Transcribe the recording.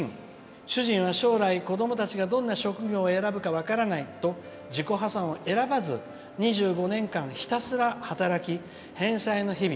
主人は将来、子どもたちがどんな職業を選ぶか分からないと自己破産を選ばず２５年間ひたすら働き返済の日々。